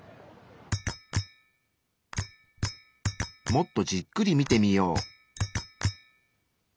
もっとじっくり見てみよう。